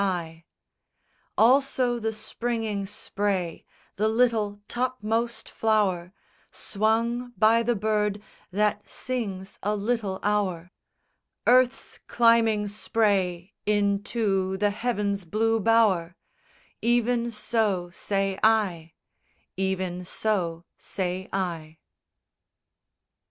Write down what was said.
VII Also the springing spray, the little topmost flower Swung by the bird that sings a little hour, Earth's climbing spray into the heaven's blue bower, Even so say I; Even so say I.